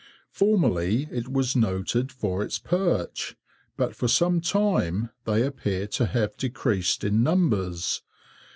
Formerly it was noted for its perch, but for some time they appear to have decreased in numbers.